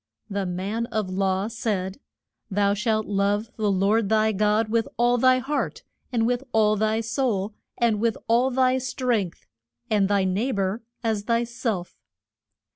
The man of law said, Thou shalt love the Lord thy God with all thy heart, and with all thy soul, and with all thy strength, and thy neigh bor as thy self.